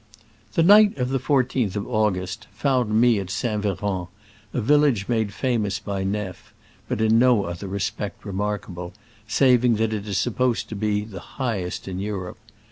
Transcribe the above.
The night of the 14th of August found me at St. Veran, a village made famous by Neff", but in no other respect remark able, saving that it is supposed to be the highest in Europe.